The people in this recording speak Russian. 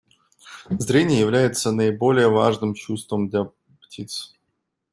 Зрение является наиболее важным чувством для птиц.